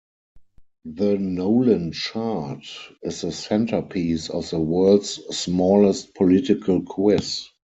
The Nolan Chart is the centerpiece of the World's Smallest Political Quiz.